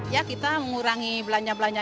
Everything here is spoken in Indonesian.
ya kita mengurangi belanja belanja